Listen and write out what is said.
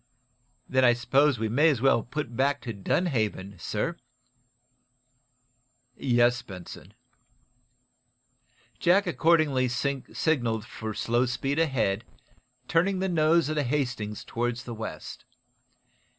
"Then I suppose we may as well put back to Dunhaven, sir?" "Yes, Benson." Jack accordingly signaled for slow speed ahead, turning the nose of the "Hastings" toward the west.